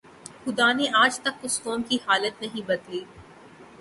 خدا نے آج تک اس قوم کی حالت نہیں بدلی